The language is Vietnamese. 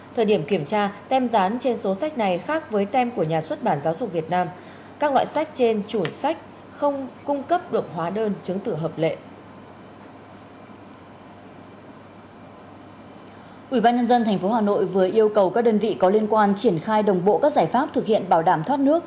thời điểm kiểm tra tem dán trên số sách này khác với tem của nhà xuất bản giáo dục việt nam